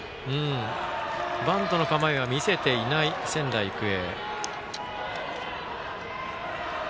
バントの構えは見せていない、仙台育英。